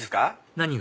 何が？